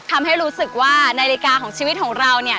ทำให้รู้สึกว่านาฬิกาของชีวิตของเราเนี่ย